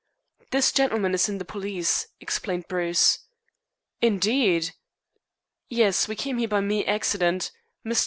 "This gentleman is in the police," explained Bruce. "Indeed!" "Yes. We came here by mere accident. Mr.